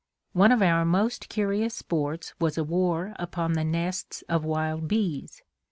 One of our most curious sports was a war upon the nests of wild bees.